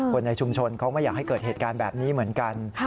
คนในชุมชนเขาไม่อยากให้เกิดเหตุการณ์แบบนี้เหมือนกัน